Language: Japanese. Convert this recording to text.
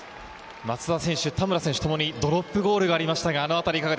松田選手、田村選手ともにドロップゴールがありました。